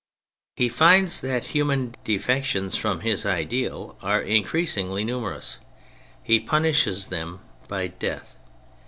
He finds that human defections from his ideal are increasingly numerous : he punishes them by death.